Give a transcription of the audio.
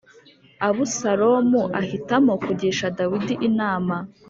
Abusalomu ahitamo kugisha Dawidi inama